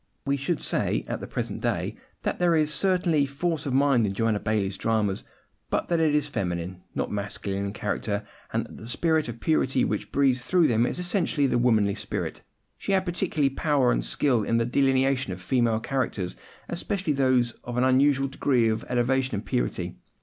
We should say, at the present day, that there is certainly force of mind in Joanna Baillie's dramas, but that it is feminine, not masculine in character, and that the spirit of purity which breathes through them is essentially the womanly spirit. She had particular power and skill in the delineation of female characters, especially those of an unusual degree of elevation and purity.